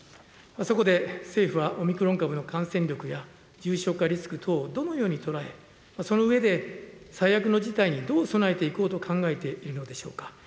そこで政府は、オミクロン株の感染力や重症化リスク等をどのように捉え、その上で最悪の事態にどう備えていこうと考えているのでしょうか。